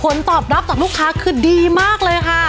ผลตอบรับจากลูกค้าคือดีมากเลยค่ะ